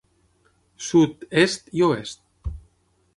Sud, Est i Oest.